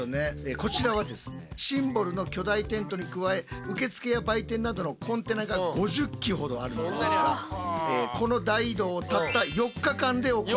こちらはですねシンボルの巨大テントに加え受付や売店などのコンテナが５０基ほどあるのですがこの大移動をたった４日間で行うそうです。